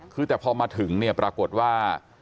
คือแต่พอมาถึงเนี่ยปรากฏว่า